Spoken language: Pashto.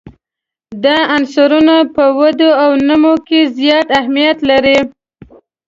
دا عنصرونه په وده او نمو کې زیات اهمیت لري.